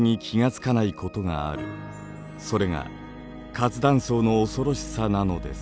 それが活断層の恐ろしさなのです。